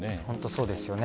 そうですよね。